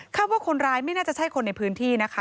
ว่าคนร้ายไม่น่าจะใช่คนในพื้นที่นะคะ